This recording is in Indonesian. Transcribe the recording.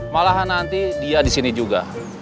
malahan nanti dia disini juga